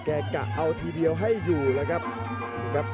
กะเอาทีเดียวให้อยู่แล้วครับ